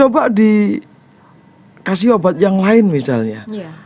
coba dikasih obat yang lain misalnya